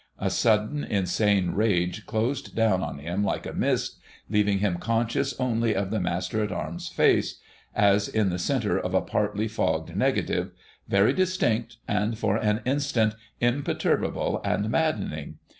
A sudden insane rage closed down on him like a mist, leaving him conscious only of the Master at Arms' face, as in the centre of a partly fogged negative, very distinct, and for an instant imperturbable and maddening....